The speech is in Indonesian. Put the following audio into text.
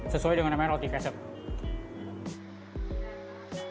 sesuai dengan namanya roti kaset